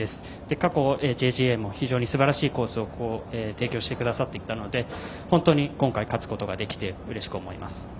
過去、ＪＧＡも非常にすばらしいコースを提供してくださっていたので本当に今回勝つことができてうれしく思います。